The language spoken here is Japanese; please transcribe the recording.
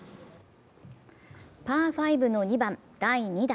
パー５の２番、第２打。